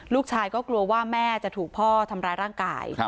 ลูกชายก็กลัวว่าแม่จะถูกพ่อทำร้ายร่างกาย